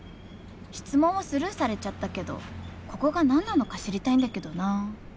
質問をスルーされちゃったけどここが何なのか知りたいんだけどな。